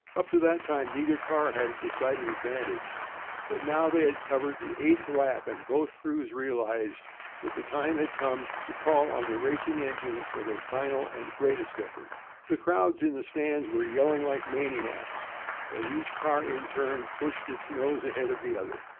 Up to that time neither car had a decided advantage, but now they had covered the eighth lap, and both crews realized that the time had arrived to call on the racing engines for their final and greatest effort. The crowds in the stands were yelling like maniacs, as each car in turn pushed its nose ahead of the other.